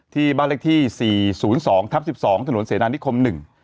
ที่บ้านเลขที่๔๐๒ทับ๑๒ถนนเสนานิคม๑